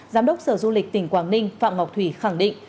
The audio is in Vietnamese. giám đốc sở du lịch tỉnh quảng ninh phạm ngọc thủy khẳng định